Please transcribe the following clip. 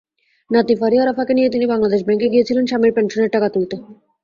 নাতনি ফারিহা রাফাকে নিয়ে তিনি বাংলাদেশ ব্যাংকে গিয়েছিলেন স্বামীর পেনশনের টাকা তুলতে।